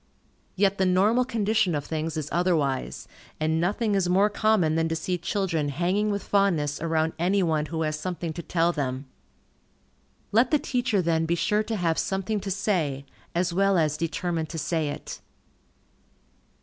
Yet the normal condition of things is otherwise, and nothing is more common than to see children hanging with fondness around any one who has something to tell them. Let the teacher then be sure to have something to say, as well as determined to say it.